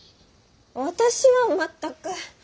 私は全く。